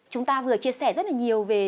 chúng ta vừa chia sẻ rất là nhiều về